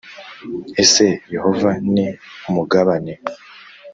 Ese yehova ni umugabane